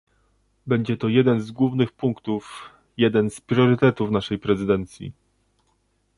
Będzie to jeden z głównych punktów, jeden z priorytetów naszej prezydencji